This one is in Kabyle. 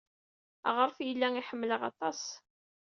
Aɣref yella iḥemmel-aɣ aṭas.